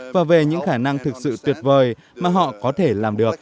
và về những khả năng thực sự tuyệt vời mà họ có thể làm được